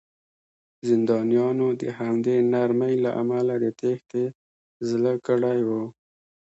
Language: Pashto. زندانیانو د همدې نرمۍ له امله د تېښتې زړه کړی و